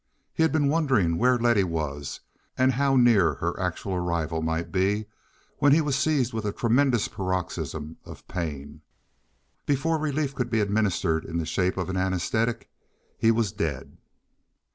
He had been wondering where Letty was and how near her actual arrival might be when he was seized with a tremendous paroxysm of pain. Before relief could be administered in the shape of an anesthetic he was dead.